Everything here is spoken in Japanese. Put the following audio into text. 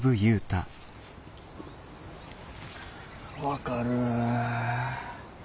分かる。